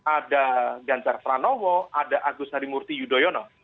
ada gantar pranowo ada agus nari murti yudhoyono